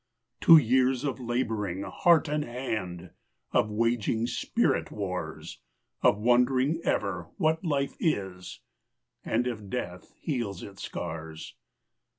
Two years of labouring, heart and hand, Of waging spirit wars, Of wondering ever what life is And if death heals its scars.